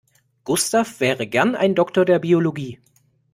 Gustav wäre gern ein Doktor der Biologie.